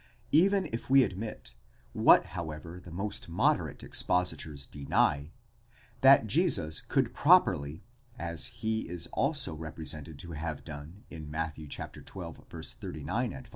Even if we admit, what however the 'most moderate expositors deny,! that Jesus could properly (as he is also re presented to have done in Matthew xii. 39 ff.)